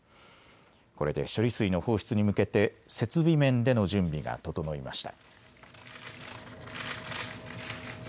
これで処理水の放出に向けて設備面での準備が整いました。